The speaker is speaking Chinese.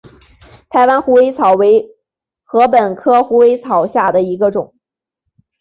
台湾虎尾草为禾本科虎尾草下的一个种。